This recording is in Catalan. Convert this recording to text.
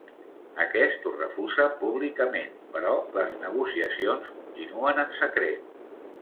Aquest ho refusa públicament, però les negociacions continuen en secret.